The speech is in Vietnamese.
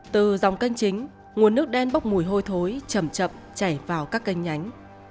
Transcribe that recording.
từ dòng kênh chính nguồn nước đen bốc mùi hôi thối chậm chậm chảy vào các kênh nhánh